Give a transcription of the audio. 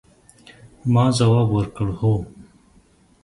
ما ځواب ورکړ، هو.